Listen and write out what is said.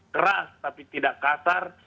keras tapi tidak kasar